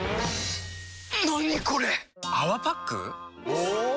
お！